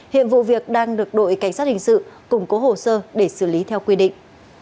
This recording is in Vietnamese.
hiện vụ việc đang được đội cảnh sát hình sự củng cố hồ sơ để xử lý theo quy định